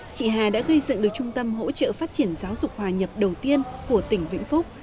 chị hà đã gây dựng được trung tâm hỗ trợ phát triển giáo dục hòa nhập đầu tiên của tỉnh vĩnh phúc